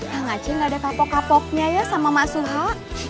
hah ngaci gak ada kapok kapoknya ya sama mak suha